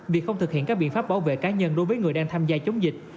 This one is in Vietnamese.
việc không thực hiện các biện pháp bảo vệ cá nhân đối với người đang tham gia chống dịch